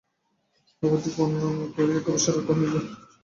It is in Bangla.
রঘুপতি প্রণাম গ্রহণ করিয়া গম্ভীর স্বরে কহিলেন, জয়োস্তু–রাজ্যের কুশল?